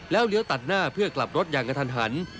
แล้วเลี้ยวตัดหน้าเพื่อกลับรถอย่างกระทันหัน